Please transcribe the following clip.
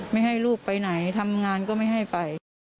ไม่ให้ลูกไปไหนทำงานก็ไม่ให้ไป